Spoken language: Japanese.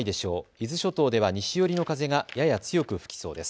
伊豆諸島では西寄りの風がやや強く吹きそうです。